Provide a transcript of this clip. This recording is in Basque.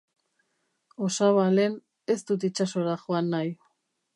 Osaba Len, ez dut itsasora joan nahi.